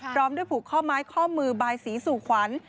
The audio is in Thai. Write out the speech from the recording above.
พร้อมด้วยผูกข้อไม้ข้อมือบายสีสู่ขวัญ